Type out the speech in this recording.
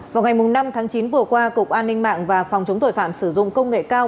vào ngày năm tháng chín vừa qua cục an ninh mạng và phòng chống tội phạm sử dụng công nghệ cao